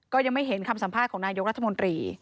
ก็ยังไม่เห็นคำสัมภาษณ์ของนายกรัฐมนตรี